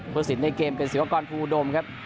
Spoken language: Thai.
ผู้สินในเกมเป็นศิษยากรภูมิดมครับ